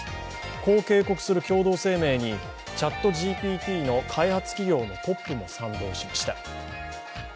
こう警告した共同声明にＣｈａｔＧＰＴの開発企業のトップも賛同しました。